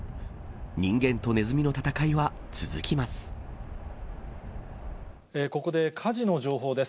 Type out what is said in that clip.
人間とネズミの闘いは続きます。